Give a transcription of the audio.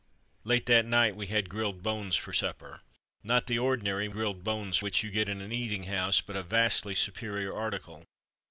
Late that night we had grilled bones for supper; not the ordinary Grilled Bones which you get in an eating house, but a vastly superior article.